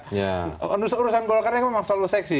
nah kalau urusan golkar memang selalu seksi